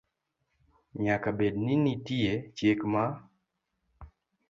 Nyaka bed ni nitie chik ma